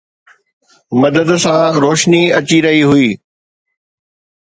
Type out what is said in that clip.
مدد سان، روشني اچي رهي هئي